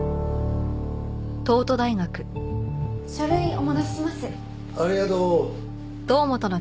書類お戻しします。